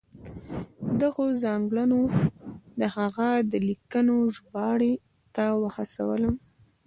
دغو ځانګړنو زه د هغه د لیکنو ژباړې ته وهڅولم.